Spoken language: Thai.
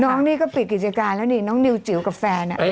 น้องนี่ก็ปิดกิจการแล้วนี่น้องนิวจิ๋วกับแฟน